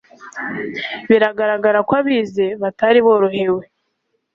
biragaragara ko abize batari borohewe